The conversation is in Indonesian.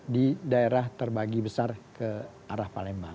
di daerah terbagi besar ke arah palembang